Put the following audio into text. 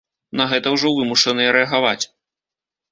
На гэта ўжо вымушаныя рэагаваць.